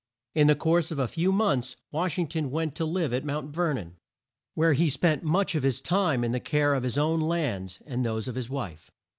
In the course of a few months Wash ing ton went to live at Mount Ver non, where he spent much of his time in the care of his own lands, and those of his wife.